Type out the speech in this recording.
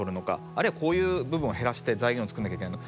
あるいはこういう部分を減らして財源を作んなきゃいけない。